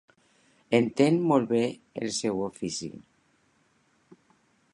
Entén molt bé el seu ofici.